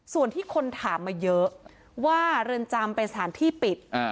ส่วนที่คนถามมาเยอะว่าเรือนจำเป็นสถานที่ปิด